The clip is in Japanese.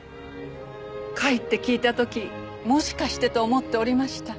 甲斐って聞いた時もしかしてと思っておりました。